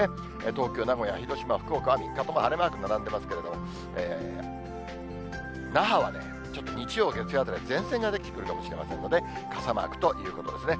東京、名古屋、広島、福岡は３日とも晴れマーク並んでますけれども、那覇はちょっと日曜、月曜辺り、前線が出来てくるかもしれませんので、傘マークということですね。